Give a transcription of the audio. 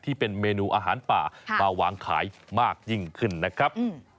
ที่เป็นเมนูอาหารป่ามาวางขายมากยิ่งขึ้นนะครับ